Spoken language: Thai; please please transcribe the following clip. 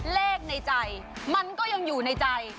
เลขในใจมันก็ยังอยู่ในใจ